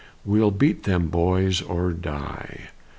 We'll beat them, boys, or die."